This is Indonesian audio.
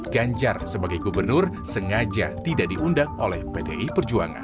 ganjar sebagai gubernur sengaja tidak diundang oleh pdi perjuangan